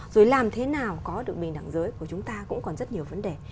rồi làm thế nào có được bình đẳng giới của chúng ta cũng còn rất nhiều vấn đề